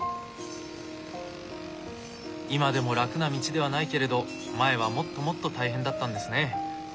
今でも楽な道ではないけれど前はもっともっと大変だったんですね。